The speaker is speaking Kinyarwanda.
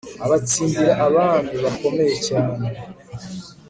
abatsindira abami bakomeye cyane